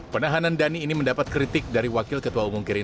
penahanan dhani ini mendapat kritik dari wakil ketua umum gerindra